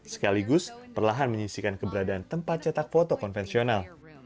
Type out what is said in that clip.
sekaligus perlahan menyisikan keberadaan tempat cetak foto konvensional